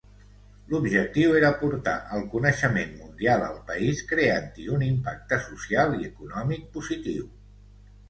L'objectiu era portar el coneixement mundial al país creant-hi un impacte social i econòmic positiu.